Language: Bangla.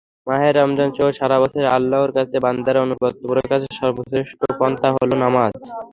মাহে রমজানসহ সারা বছরে আল্লাহর কাছে বান্দার আনুগত্য প্রকাশের সর্বশ্রেষ্ঠ পন্থা হলো নামাজ।